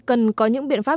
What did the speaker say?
cần có những biện pháp